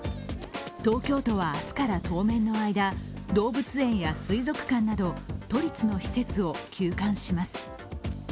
東京都は明日から当面の間、動物園や水族館など都立の施設を休館します。